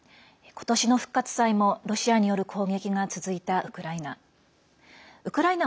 今年の復活祭もロシアによる攻撃が続いたウクライナ。